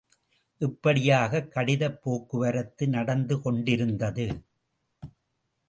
இப்படியாகக் கடிதப் போக்குவரத்து நடந்து கொண்டிருந்தது.